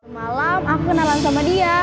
malam aku kenalan sama dia